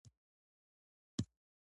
د ډریک معادله د هوشمند ژوند اټکل کوي.